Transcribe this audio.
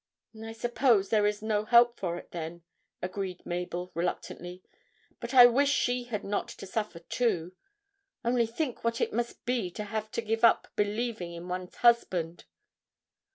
'I suppose there is no help for it, then,' agreed Mabel reluctantly, 'but I wish she had not to suffer too. Only think what it must be to have to give up believing in one's husband!'